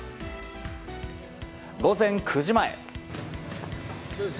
午前９時前。